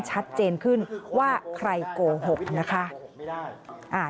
ชัดเจนขึ้นว่าใครโกหกนะคะ